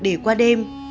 để qua đêm